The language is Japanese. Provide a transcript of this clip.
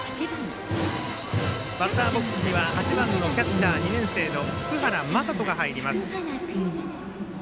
バッターボックスには８番のキャッチャー、２年生の福原将斗が入ります。